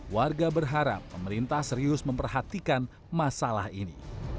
warga berharap pemerintah serius memperhatikan masalah ini